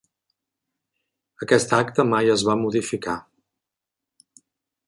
Aquest acte mai es va modificar.